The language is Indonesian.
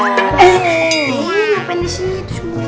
ini ngapain disini cukri